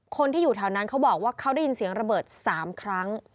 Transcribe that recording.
คนที่อยู่แถวนั้นเขาบอกว่าเขาได้ยินเสียงระเบิด๓ครั้ง